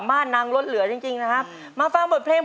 แม้จะเหนื่อยหล่อยเล่มลงไปล้องลอยผ่านไปถึงเธอ